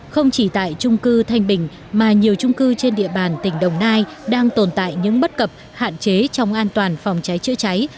không chỉ tại trung cư thanh bình mà nhiều trung cư trên địa bàn tỉnh đồng nai đang tồn tại những bất cập hạn chế trong an toàn phòng cháy chữa cháy